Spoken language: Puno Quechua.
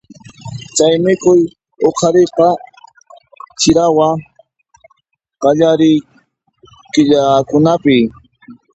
Chay mikhuy huqariyqa chirawa qallariy killakunapi.